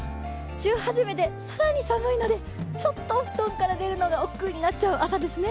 週始めで更に寒いのでちょっとお布団から出るのがおっくうになっちゃう朝ですね。